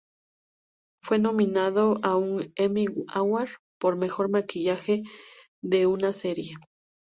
Fue nominado a un Emmy Award por mejor maquillaje de una serie.